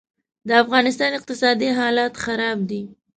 دافغانستان اقتصادي حالات خراب دي